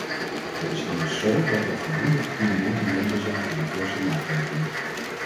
Het is immers zo dat er voldoende gecumuleerde middelen zijn voor diverse maatregelen.